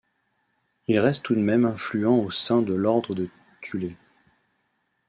Il reste tout de même influent au sein de l'ordre de Thulé.